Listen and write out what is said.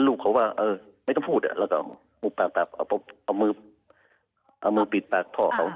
ลูกเขาก็ไม่ต้องพูดแล้วก็หุบปากเอามือเอามือปิดปากพ่อเขา